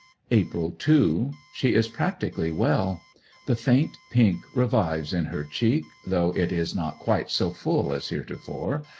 April 2. She is practically well. The faint pink revives in her cheek, though it is not quite so full as heretofore.